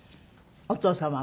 お父様は。